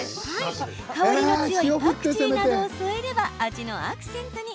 香りの強いパクチーなどを添えれば味のアクセントに。